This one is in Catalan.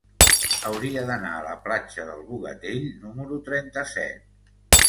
Hauria d'anar a la platja del Bogatell número trenta-set.